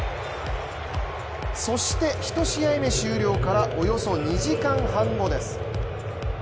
そして１試合目終了からおよそ２時間半後です。